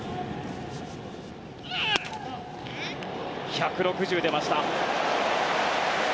１６０が出ました。